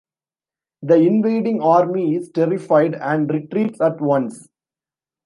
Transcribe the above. The invading army is terrified, and retreats at once.